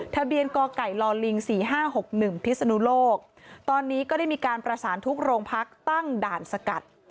ทะเบียนก่อไก่ลอลิงสี่ห้าหกหนึ่งพิษนุโลกตอนนี้ก็ได้มีการประสานทุกโรงพักตั้งด่านสกัด